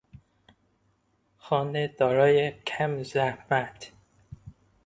خانه دارای کم زحمت